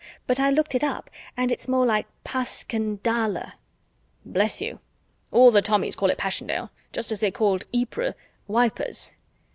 But I looked it up and it's more like Pas ken DA luh." "Bless you! All the Tommies called it Passiondale, just as they called Ypres Wipers."